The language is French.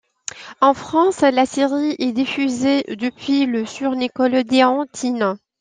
En France, la série est diffusée depuis le sur Nickelodeon Teen.